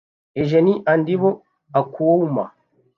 Eugène Andibo Okauma